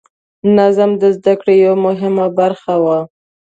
نظم د زده کړې یوه مهمه برخه وه.